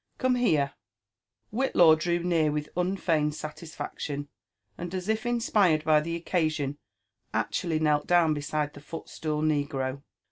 Come hero I " Whitlaw drew near with unfeigned ^satisfaction, and, as if inspired by the occasion, actually knelt down beside the footstool negro.